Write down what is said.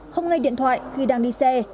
không ngay điện thoại khi đang đi xe